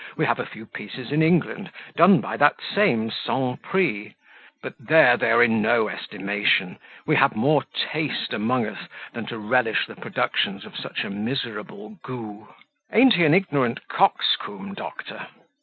We have a few pieces in England, done by that same Sangpree; but there they are in no estimation; we have more taste among us than to relish the productions of such a miserable gout. A'n't he an ignorant coxcomb, doctor?"